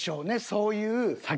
そういう。